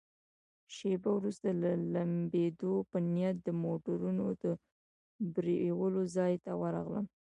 شیبه وروسته د لمبېدو په نیت د موټرونو د پرېولو ځای ته ورغلم.